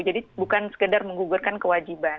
jadi bukan sekedar menggugurkan kewajiban